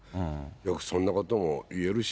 よくそんなことも言えるし。